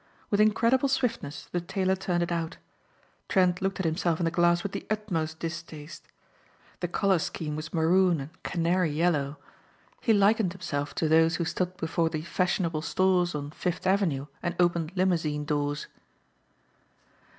With incredible swiftness the tailor turned it out. Trent looked at himself in the glass with the utmost distaste. The color scheme was maroon and canary yellow. He likened himself to those who stood before the fashionable stores on Fifth avenue and opened limousine doors.